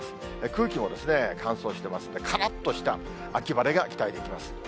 空気も乾燥してますんで、からっとした秋晴れが期待できます。